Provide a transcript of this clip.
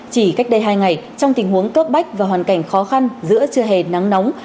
chỉ cách đây hai ngày trong tình huống cấp bách và hoàn cảnh khó khăn giữa trưa hè nắng nóng